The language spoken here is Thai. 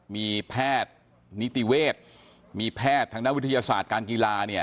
มีแพทย์นิติเวศมีแพทย์ทางนักวิทยาศาสตร์การกีฬาเนี่ย